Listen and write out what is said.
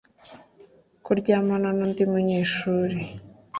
ko uryamana n undi munyeshuri